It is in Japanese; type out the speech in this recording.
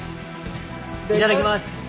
いただきます。